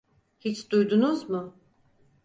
Hiç duydunuz mu?